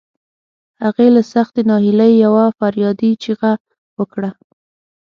هغې له سختې ناهيلۍ يوه فریادي چیغه وکړه.